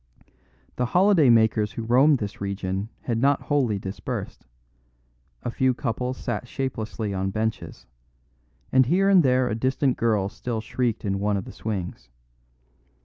The holiday makers who roam this region had not wholly dispersed; a few couples sat shapelessly on benches; and here and there a distant girl still shrieked in one of the swings.